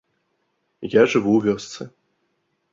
Я жыву ў вёсцы.